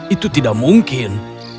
itu tidak mungkin